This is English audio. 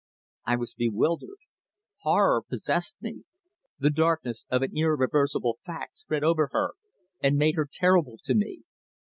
I was bewildered. Horror possessed me. The darkness of an irreversible fact spread over her and made her terrible to me.